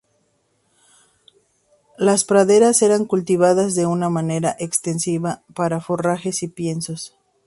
Las praderas eran cultivadas de una manera extensiva para forrajes y piensos.